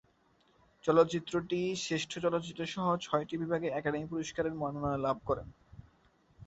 চলচ্চিত্রটি শ্রেষ্ঠ চলচ্চিত্রসহ ছয়টি বিভাগে একাডেমি পুরস্কারের মনোনয়ন লাভ করে।